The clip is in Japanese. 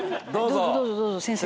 どうぞどうぞどうぞ先生。